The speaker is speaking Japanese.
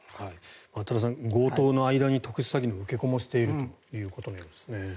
多田さん、強盗の間に特殊詐欺の受け子もしているということのようですね。